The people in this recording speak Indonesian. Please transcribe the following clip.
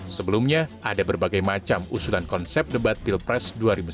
sebelumnya ada berbagai macam usulan konsep debat pilpres dua ribu sembilan belas